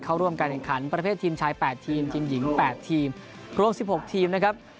เข้าร่วมการแข่งขันประเภททีมชาย๘ทีมทีมหญิง๘ทีมรวม๑๖ทีมนะครับ